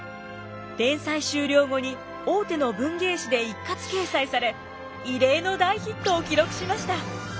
連載終了後に大手の文芸誌で一括掲載され異例の大ヒットを記録しました。